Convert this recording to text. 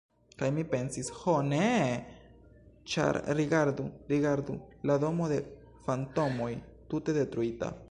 Kaj mi pensis: "Ho, neeeeeee!", ĉar rigardu, rigardu: la Domo de Fantomoj: tute detruita!